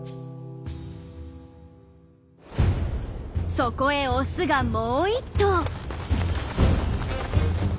そこへオスがもう一頭。